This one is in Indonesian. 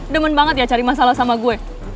demen banget ya cari masalah sama gue